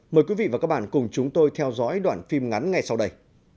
mời quý vị và các bạn cùng chúng tôi theo dõi đoạn phim ngắn ngay sau đây